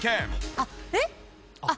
あっえっ？